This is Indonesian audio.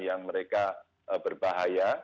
yang mereka berbahaya